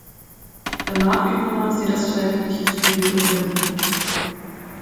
Danach übernahm sie das väterliche Studio in Berlin.